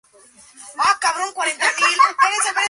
Molinillo Austral está en el centro de otro subgrupo.